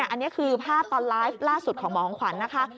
อันนี้คือภาพตอนไลฟ์ล่าสุดของหมอของขวัญนะคะ